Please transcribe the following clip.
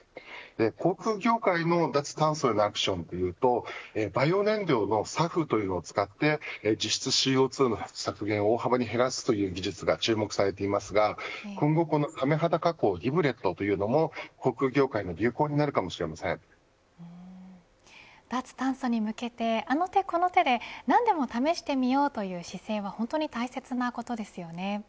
航空業界の脱炭素へのアクションというとバイオ燃料のＳＡＦというのを使って実質ＣＯ２の削減を大幅に減らすという技術が注目されていますが今後このサメ肌加工リブレットというのも航空業界の流行に脱炭素に向けてあの手この手で何でも試してみようという姿勢は本当に大切なことですよね。